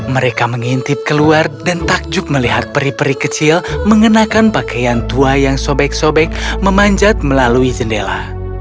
mereka mengintip keluar dan takjub melihat peri peri kecil mengenakan pakaian tua yang sobek sobek memanjat melalui jendela